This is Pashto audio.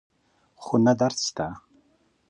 خو نه درد شته